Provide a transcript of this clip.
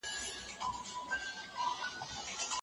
شل منفي لس؛ لس کېږي.